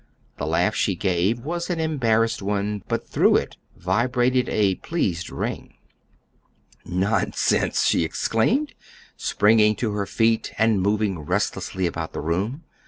The laugh she gave was an embarrassed one, but through it vibrated a pleased ring. "Nonsense!" she exclaimed, springing to her feet and moving restlessly about the room.